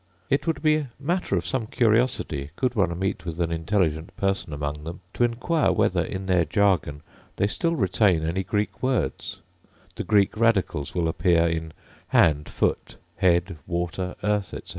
It would be matter of some curiosity, could one meet with an intelligent person among them, to inquire whether, in their jargon, they still retain any Greek words: the Greek radicals will appear in hand, foot, head, water, earth, etc.